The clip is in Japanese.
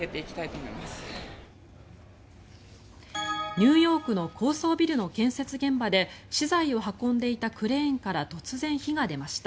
ニューヨークの高層ビルの建設現場で資材を運んでいたクレーンから突然、火が出ました。